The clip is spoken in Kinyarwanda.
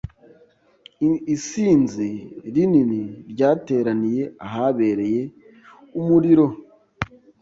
Isinzi rinini ryateraniye ahabereye umuriro.